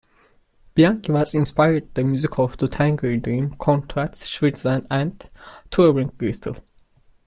Bianchi was inspired by the music of Tangerine Dream, Conrad Schnitzler and Throbbing Gristle.